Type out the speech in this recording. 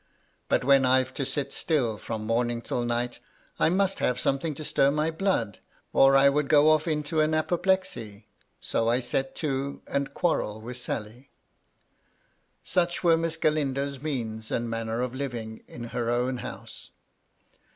But when I've to sit still from morning till night, I must have something to stir my blood, or I should go off into an apoplexy, so I set to, and quarrel with Sally." Such were Miss . Galindo's means and manner of living in her own house.